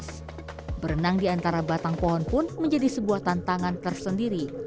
bersenang di antara batang pohon pun menjadi sebuah tantangan tersendiri